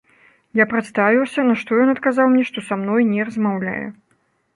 Я прадставіўся, на што ён адказаў мне, што са мной не размаўляе.